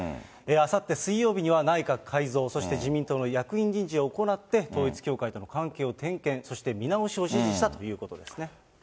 あさって水曜日には内閣改造、そして自民党の役員人事を行って、統一教会との関係を点検、そして見直しを指示したということですね。